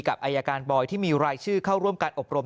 กับอายการบอยที่มีรายชื่อเข้าร่วมการอบรม